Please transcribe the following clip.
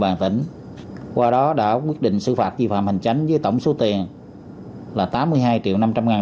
bàn tỉnh qua đó đã quyết định xử phạt vi phạm hành chánh với tổng số tiền là tám mươi hai triệu năm trăm linh ngàn